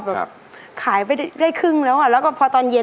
แบบขายไปได้ครึ่งแล้วอ่ะแล้วก็พอตอนเย็น